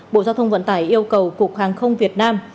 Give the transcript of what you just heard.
bộ giao thông vận tải yêu cầu cục hàng không việt nam